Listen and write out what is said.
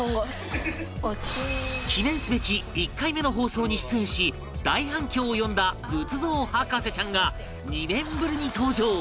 記念すべき１回目の放送に出演し大反響を呼んだ仏像博士ちゃんが２年ぶりに登場